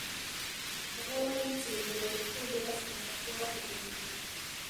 هغه وایي چې د بریالیتوب راز په تقوا کې دی.